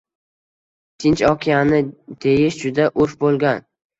Tinch okeani deyish juda urf boʻlgan